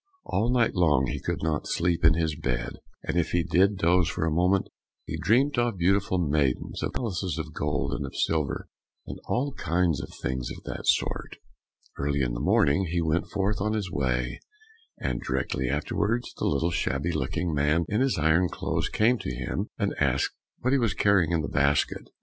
All night long he could not sleep in his bed, and if he did doze for a moment, he dreamt of beautiful maidens, of palaces, of gold, and of silver, and all kinds of things of that sort. Early in the morning, he went forth on his way, and directly afterwards the little shabby looking man in his iron clothes, came to him and asked what he was carrying in the basket.